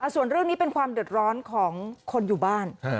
ส่วนเรื่องนี้เป็นความเดือดร้อนของคนอยู่บ้าน